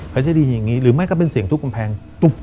เขาจะได้ยินอย่างนี้หรือไม่ก็เป็นเสียงทุบกำแพงตุ๊บ